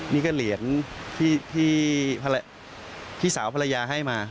นี่ก็เหรียญที่พี่สาวภรรยาให้มา